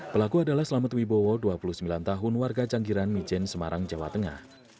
pelaku adalah selamat wibowo dua puluh sembilan tahun warga canggiran mijen semarang jawa tengah